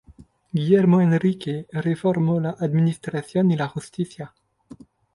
Guillermo Enrique reformó la administración y la justicia.